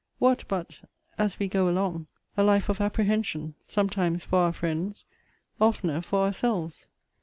What, but, as we go along, a life of apprehension, sometimes for our friends, oftener for ourselves?